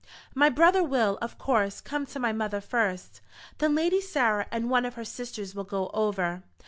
"My brother will, of course, come to my mother first. Then Lady Sarah and one of her sisters will go over.